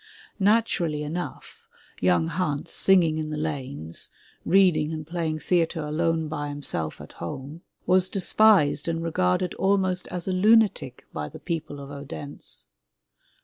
Naturally enough, young Hans singing in the lanes, reading and playing theatre alone by himself at home, was despised and ^s m 37 MY BOOK HOUSE regarded almost as a lunatic by the people of Odense.